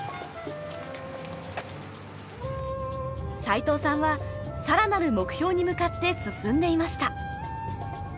齊藤さんはさらなる目標に向かって進んでいました。